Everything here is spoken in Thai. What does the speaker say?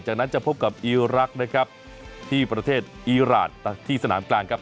จากนั้นจะพบกับอีรักษ์นะครับที่ประเทศอีรานที่สนามกลางครับ